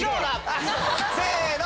せの！